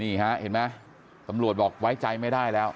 เห็นไหมตำรวจบอกไว้ใจไม่ได้แล้ว